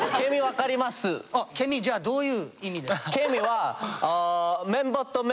あっケミじゃあどういう意味で。